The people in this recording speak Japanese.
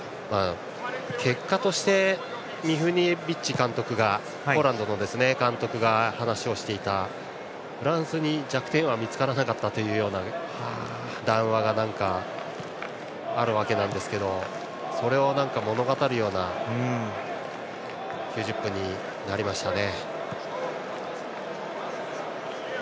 結果としてミフニエビッチ監督がポーランドの監督が話をしていたフランスに弱点は見つからなかったというような談話があるわけなんですがそれを物語るような９０分になりましたね。